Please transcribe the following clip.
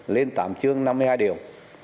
lên tám chương năm mươi hai điều